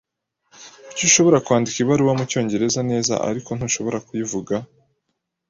Kuki ushobora kwandika ibaruwa mucyongereza neza, ariko ntushobora kuyivuga?